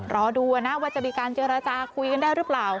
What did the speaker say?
รอดูนะว่าจะมีการเจรจาคุยกันได้หรือเปล่า